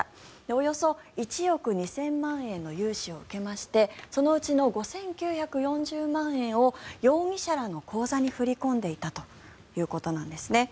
およそ１億２０００万円の融資を受けましてそのうちの５９４０万円を容疑者らの口座に振り込んでいたということなんですね。